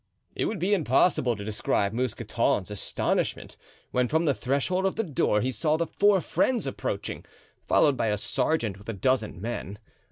It would be impossible to describe Mousqueton's astonishment when from the threshold of the door he saw the four friends approaching, followed by a sergeant with a dozen men.